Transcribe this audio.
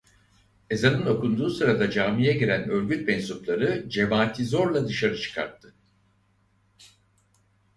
Ezanın okunduğu sırada camiye giren örgüt mensupları cemaati zorla dışarı çıkardı.